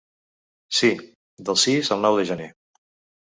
Sí, del sis al nou de gener.